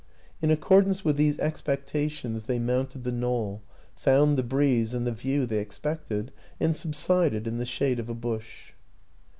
In accordance with these expectations they mounted the knoll, found the breeze and the view they expected, and subsided in the shade of a bush.